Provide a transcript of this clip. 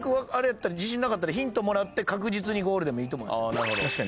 自信なかったらヒントもらって確実にゴールでもいいと思いますよ。